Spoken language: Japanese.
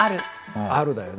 「ある」だよね。